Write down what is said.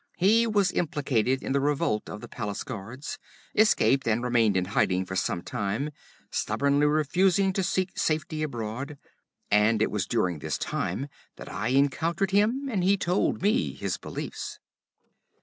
He was implicated in the revolt of the palace guards, escaped and remained in hiding for some time, stubbornly refusing to seek safety abroad, and it was during this time that I encountered him and he told me his beliefs.